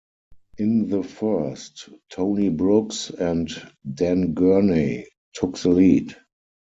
In the first, Tony Brooks and Dan Gurney took the lead.